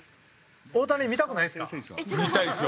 大谷見たくないですか？